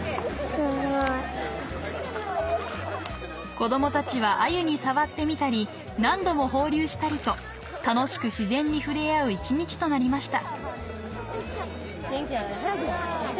子どもたちはアユに触ってみたり何度も放流したりと楽しく自然に触れ合う一日となりました